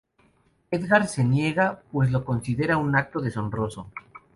Eddard se niega, pues lo considera un acto deshonroso.